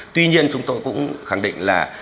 tuy nhiên chúng tôi cũng khẳng định là